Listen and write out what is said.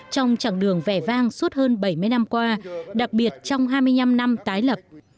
trong chặng đường vẻ vang suốt hơn bảy mươi năm qua đặc biệt trong hai mươi năm năm tái lập